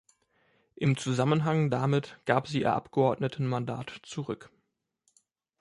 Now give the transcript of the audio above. Im Zusammenhang damit gab sie ihr Abgeordnetenmandat zurück.